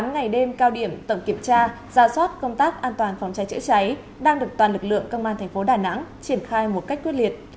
một mươi ngày đêm cao điểm tổng kiểm tra ra soát công tác an toàn phòng cháy chữa cháy đang được toàn lực lượng công an thành phố đà nẵng triển khai một cách quyết liệt